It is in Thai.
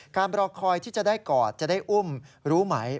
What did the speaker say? รอคอยที่จะได้กอดจะได้อุ้มรู้ไหม